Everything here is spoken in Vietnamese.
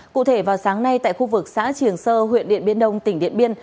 cụ thể vào sáng nay tại khu vực xã triềng sơ huyện điện biên đông tỉnh điện biên